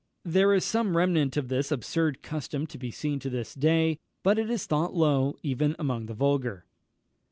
There is some remnant of this absurd custom to be seen to this day; but it is thought low even among the vulgar.